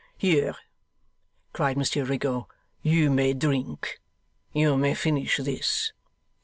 'Here!' cried Monsieur Rigaud. 'You may drink. You may finish this.